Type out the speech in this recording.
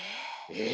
え？